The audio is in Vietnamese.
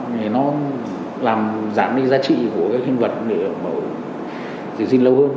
để nó giảm đi giá trị của các hình vật để giữ gìn lâu hơn